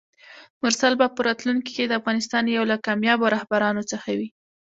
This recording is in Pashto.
مرسل به په راتلونکي کې د افغانستان یو له کاميابو رهبرانو څخه وي!